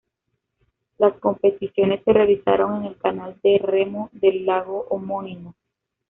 Las competiciones se realizaron en el canal de remo del lago homónimo.